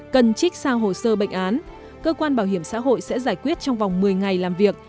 cần trích sang hồ sơ bệnh án cơ quan bảo hiểm xã hội sẽ giải quyết trong vòng một mươi ngày làm việc